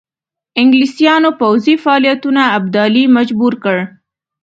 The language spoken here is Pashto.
انګلیسیانو پوځي فعالیتونو ابدالي مجبور کړ.